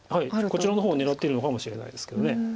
こちらの方を狙ってるのかもしれないですけど。